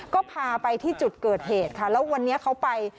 ก็พาไปที่จุดเกิดเหตุค่ะแล้ววันนี้เขาไป